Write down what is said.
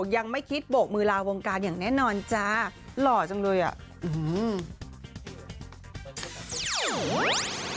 ยังไม่คิดโบกมือลาวงการอย่างแน่นอนจ้าหล่อจังเลยอ่ะ